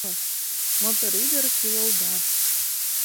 Мотор ӱдыр кӱлылда.